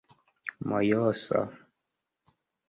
mojosa